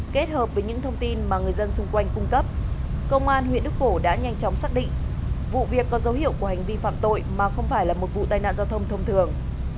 kết hợp với những thông tin mà người dân xung quanh cung cấp công an huyện đức phổ đã nhanh chóng xác định vụ việc có dấu hiệu của hành vi phạm tội mà không phải là một vụ tai nạn giao thông thông thường